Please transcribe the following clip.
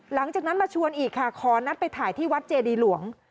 หลังจากนั้นมาชวนอีกค่ะขอนัดไปถ่ายที่วัดเจดีหลวง